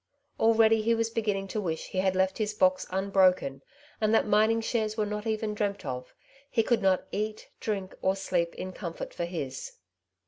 Already he was be ginning to wish he had left his box unbroken, and that mining shares were not even dreamt of; he could not eat, drink, or sleep in comfort for his.